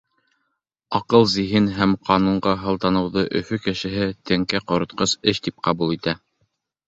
Аҡыл, зиһен һәм ҡанунға һылтаныуҙы Өфө кешеһе теңкә ҡоротҡос эш тип ҡабул итә.